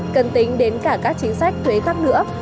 cần tính đến cả các chính sách thuế khác nữa